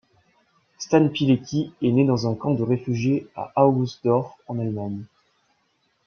Stan Pilecki est né dans un camp de réfugiés à Augustdorf en Allemagne.